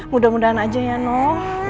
mudah mudahan aja ya no